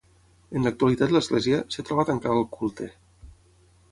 En l'actualitat l'església, es troba tancada al culte.